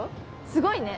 すごいね。